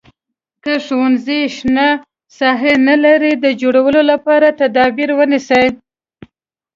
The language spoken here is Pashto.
که ښوونځی شنه ساحه نه لري د جوړولو لپاره تدابیر ونیسئ.